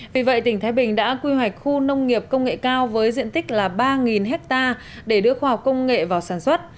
vì vậy tỉnh thái bình đã quy hoạch khu nông nghiệp công nghệ cao với diện tích là ba ha để đưa khoa học công nghệ vào sản xuất